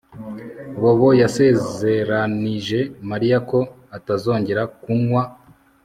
Bobo yasezeranyije Mariya ko atazongera kunywa